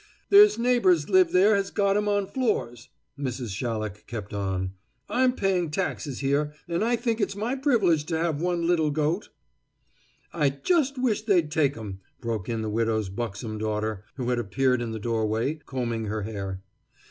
"There's neighbors lives there has got 'em on floors," Mrs. Shallock kept on. "I'm paying taxes here, an' I think it's my privilege to have one little goat." "I just wish they'd take 'em," broke in the widow's buxom daughter, who had appeared in the doorway, combing her hair.